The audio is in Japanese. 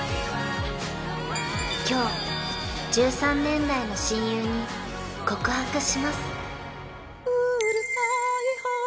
今日１３年来の親友に告白しますおお！